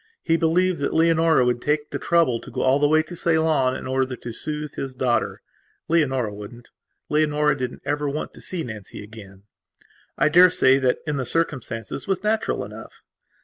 He believed that Leonora would take the trouble to go all the way to Ceylon in order to soothe his daughter. Leonora wouldn't. Leonora didn't ever want to see Nancy again. I daresay that that, in the circumstances, was natural enough.